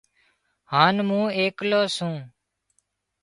هانَ مُون ايڪلو سُون